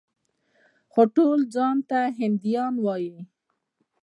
خو ټول ځان ته هندیان وايي.